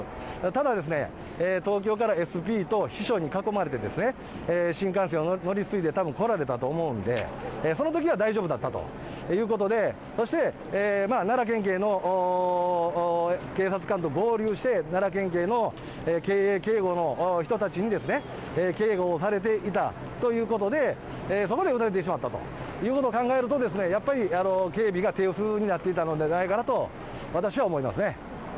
ただですね、東京からＳＰと秘書に囲まれてですね、新幹線を乗り継いで、たぶん来られたと思うんで、そのときは大丈夫だったということで、そして奈良県警の警察官と合流して、奈良県警の警衛、警護の人たちに警護をされていたということで、そこで撃たれてしまったということを考えると、やっぱり警備が手薄になっていたのではないかなと、私は思います。